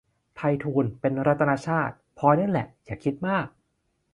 ไพฑูรย์ เป็นรัตนชาติ พลอยนั่นแหละ อย่าคิดมาก